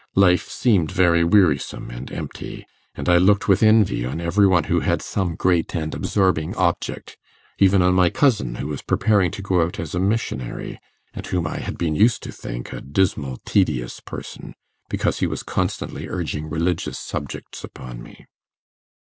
Life seemed very wearisome and empty, and I looked with envy on every one who had some great and absorbing object even on my cousin who was preparing to go out as a missionary, and whom I had been used to think a dismal, tedious person, because he was constantly urging religious subjects upon me.